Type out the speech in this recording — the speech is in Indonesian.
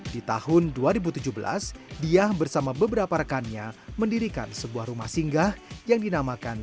di tahun dua ribu tujuh belas diah bersama beberapa rekannya mendirikan sebuah rumah singgah yang dinamakan